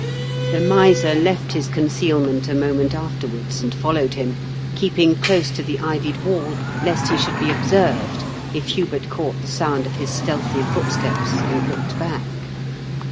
The miser left his concealment a moment afterwards, and followed him, keeping close to the ivied wall, lest he should be observed if Hubert caught the sound of his stealthy foot steps, and looked back.